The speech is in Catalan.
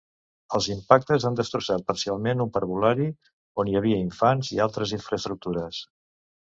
Els impactes han destrossat parcialment un parvulari, on hi havia infants, i altres infraestructures.